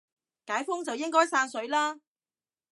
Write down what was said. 解封就應該散水啦